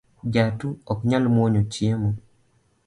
Jatu ok nyal mwonyo chiemo